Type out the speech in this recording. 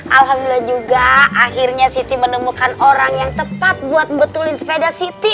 alhamdulillah juga akhirnya siti menemukan orang yang tepat buat membetulin sepeda city